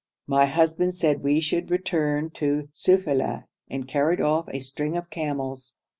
My husband said we should return to Sufeila, and carried off a string of camels.